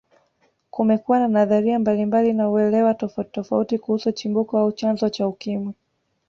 Kumekuwa na nadharia mbalimbali na uelewa tofauti tofauti kuhusu Chimbuko au chanzo cha Ukimwi